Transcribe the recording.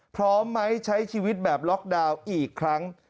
พร้อมไหมใช้ชีวิตแบบล็อกดาวน์อีกครั้ง